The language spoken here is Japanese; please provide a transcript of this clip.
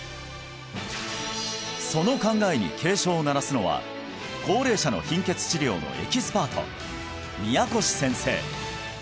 その考えに警鐘を鳴らすのは高齢者の貧血治療のエキスパート宮腰先生